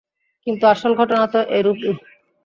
কিন্তু আসল ঘটনা তো এরূপই।